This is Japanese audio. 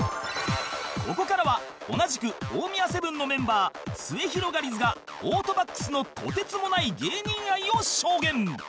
ここからは同じく大宮セブンのメンバーすゑひろがりずがオートバックスのとてつもない芸人愛を証言